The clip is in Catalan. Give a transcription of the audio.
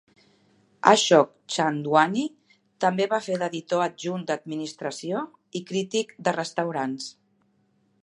Ashok Chandwani també va fer d'editor adjunt d'administració i crític de restaurants.